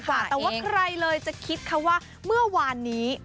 แต่ว่าใครเลยจะคิดค่ะว่าเมื่อวานนี้